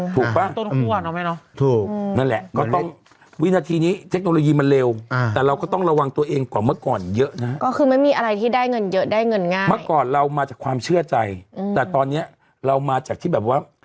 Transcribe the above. ถูกปะนั่นแหละก็ต้องวินาทีนี้เทคโนโลยีมันเร็ว